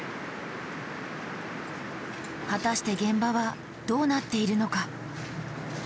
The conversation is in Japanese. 果たして現場はどうなっているのか？